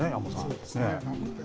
そうですね。